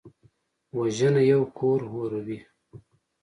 وژنه یو کور اوروي